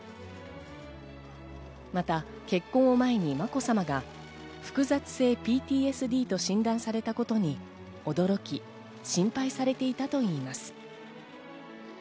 また結婚を前にまこさまが複雑性ＰＴＳＤと診断されたことに驚き心配されていたといいます。